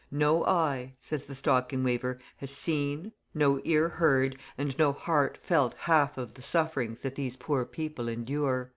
"No eye," says the stocking weaver, "has seen, no ear heard, and no heart felt the half of the sufferings that these poor people endure."